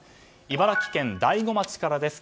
茨城県大子町からです。